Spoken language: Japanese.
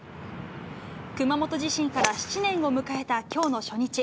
熊本地震から７年を迎えたきょうの初日。